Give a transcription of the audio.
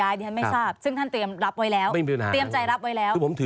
แล้วก็อย่างนี้ท่านไม่ทราบซึ่งท่านเตรียมรับไว้แล้ว